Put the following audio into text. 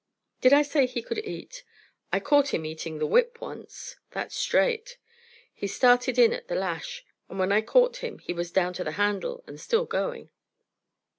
Did I say he could eat? I caught him eating the whip once. That's straight. He started in at the lash, and when I caught him he was down to the handle, and still going.